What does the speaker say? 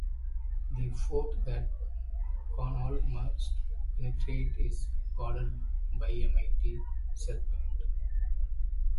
The fort that Conall must penetrate is guarded by a mighty serpent.